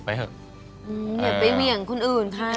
ไปเวียงคนอื่นค่า